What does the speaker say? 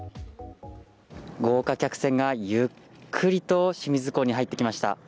豪華客船がゆっくりと清水港に入ってきました。